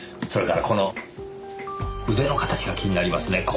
それからこの腕の形が気になりますね。